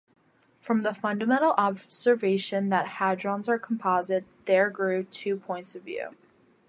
From the fundamental observation that hadrons are composite, there grew two points of view.